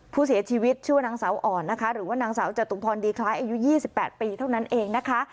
ผู้เสียชีวิตชื่อว่านางสาวอ่อนนะคะหรือว่านางสาวจตุพรดีคล้ายอายุ๒๘ปีเท่านั้นเองนะคะ